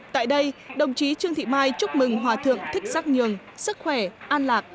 tại đây đồng chí trương thị mai chúc mừng hòa thượng thích sắc nhường sức khỏe an lạc